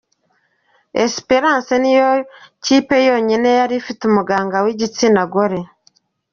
Esperance niyo kipe yonyine yari ifite umuganga w’igitsina gore.